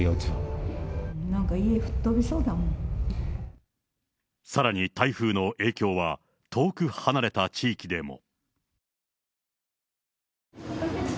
なんか家、さらに台風の影響は、遠く離れた地域でも。